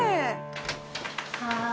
はい。